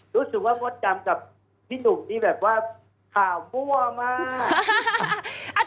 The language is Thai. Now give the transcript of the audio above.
รู้สึกว่ามดดำกับพี่หนุ่มที่แบบว่าข่าวมั่วมาก